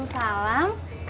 masa ada pembeli gak